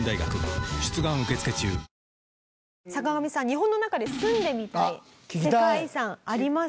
日本の中で住んでみたい世界遺産あります？